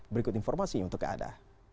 berikut informasinya untuk anda